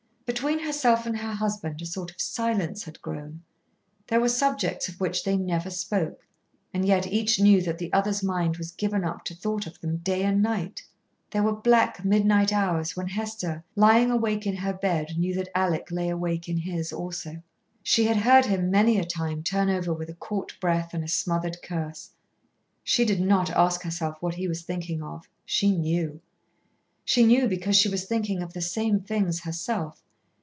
Between herself and her husband a sort of silence had grown. There were subjects of which they never spoke, and yet each knew that the other's mind was given up to thought of them day and night. There were black midnight hours when Hester, lying awake in her bed, knew that Alec lay awake in his also. She had heard him many a time turn over with a caught breath and a smothered curse. She did not ask herself what he was thinking of. She knew. She knew because she was thinking of the same things herself.